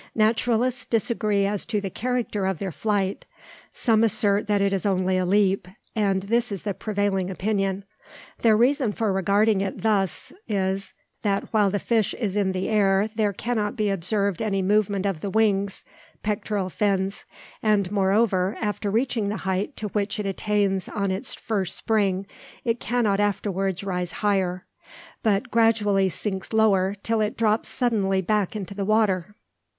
Naturalists disagree as to the character of their flight. Some assert that it is only a leap, and this is the prevailing opinion. Their reason for regarding it thus is, that while the fish is in the air there cannot be observed any movement of the wings (pectoral fins); and, moreover, after reaching the height to which it attains on its first spring, it cannot afterwards rise higher, but gradually sinks lower till it drops suddenly back into the water.